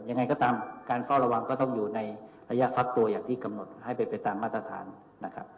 ยังไงก็ตามการเฝ้าระวังก็อยู่ในระยะฟักตัวอย่างที่กำหนดให้ไปตามมาตรฐาน